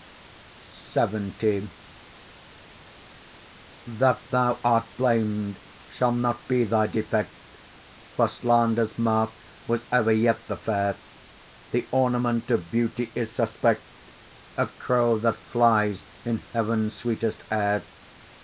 LXX That thou art blam'd shall not be thy defect, For slander's mark was ever yet the fair; The ornament of beauty is suspect, A crow that flies in heaven's sweetest air.